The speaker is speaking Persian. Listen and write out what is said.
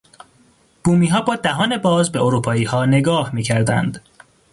بومیها با دهان باز به اروپاییها نگاه میکردند.